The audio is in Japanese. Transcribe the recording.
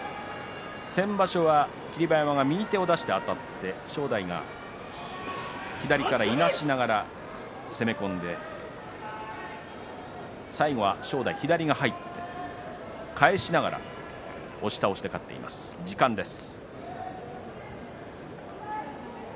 先場所は霧馬山が右手を出してあたって正代が左から、いなしながら攻め込んで最後は正代、左が入って返しながら押し倒しで勝っています、時間です。